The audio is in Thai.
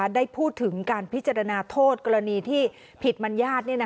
ได้พูดถึงการพิจารณาโทษกรณีที่ผิดมัญญาติ